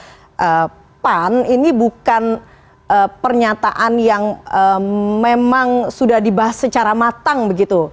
karena pan ini bukan pernyataan yang memang sudah dibahas secara matang begitu